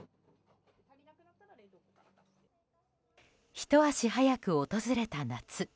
ひと足早く訪れた夏。